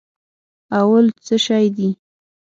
او ولټ څه شي دي